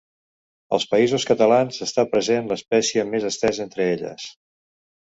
Als Països Catalans està present l'espècie més estesa entre elles.